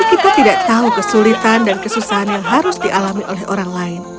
kita tidak tahu kesulitan dan kesusahan yang harus dialami oleh orang lain